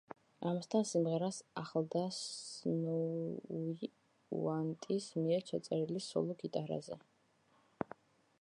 ამასთან, სიმღერას ახლდა სნოუი უაიტის მიერ ჩაწერილი სოლო გიტარაზე.